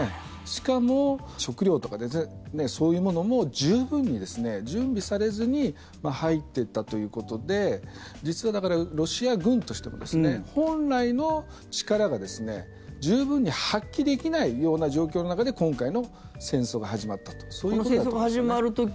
しかも、食料とかそういうものも十分に準備されずに入っていったということで実は、ロシア軍としても本来の力が、十分に発揮できないような状況の中で今回の戦争が始まったとそういうことだと思いますね。